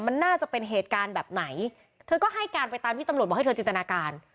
มันน่าจะเป็นเหตุการณ์แบบไหนเธอก็ให้การไปตามที่ตำรวจบอกให้เธอจินตนาการ